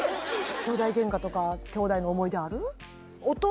きょうだいゲンカとかきょうだいの思い出ある？